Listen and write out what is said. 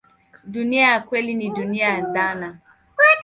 Dunia ya kweli ni dunia ya dhana.